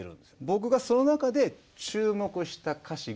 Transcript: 僕がその中で注目した歌詞がその２。